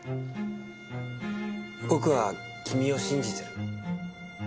僕は君を信じてる。